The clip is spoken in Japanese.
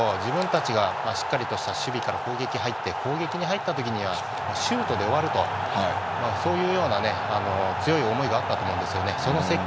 自分たちがしっかりとした守備から攻撃に入って攻撃に入った時にはシュートで終わるとそういうような強い思いがあったと思いますけどね。